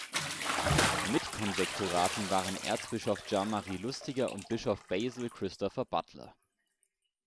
Mitkonsekratoren waren Erzbischof Jean-Marie Lustiger und Bischof Basil Christopher Butler.